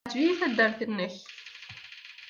Teɛjeb-iyi taddart-nnek.